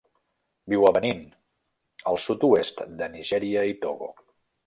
Viu a Benín, el sud-oest de Nigèria i Togo.